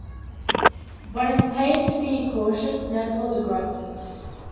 When it paid to be cautious, Ned was aggressive.